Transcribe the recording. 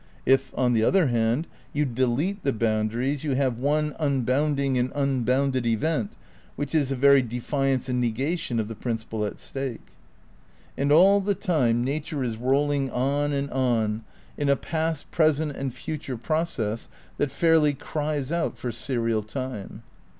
If, on the other hand, you delete the boundaries you have one un bounding and unbounded event which is the very defi ance and negation of the principle at stake. And all the time nature is rolling on and on in a past, present and future process that fairly cries out for serial time.